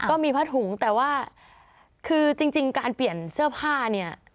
ก็มีผ้าถุงแต่ว่าคือจริงการเปลี่ยนเสื้อผ้าเนี่ย